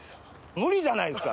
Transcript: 無理じゃないですか。